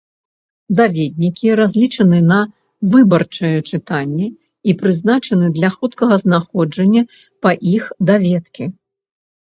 Даведнікі разлічаны на выбарчае чытанне і прызначаны для хуткага знаходжання па іх даведкі.